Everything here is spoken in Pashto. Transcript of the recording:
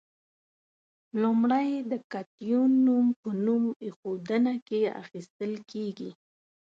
لومړی د کتیون نوم په نوم ایښودنه کې اخیستل کیږي.